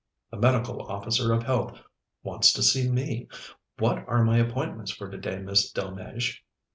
The Medical Officer of Health wants to see me. What are my appointments for today, Miss Delmege?"